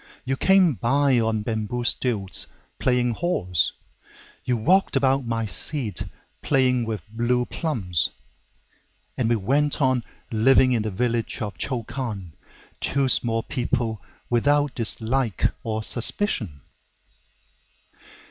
You came by on bamboo stilts, playing horse; You walked about my seat, playing with blue plums. And we went on living in the village of Chokan:Two small people, without dislike or suspicion.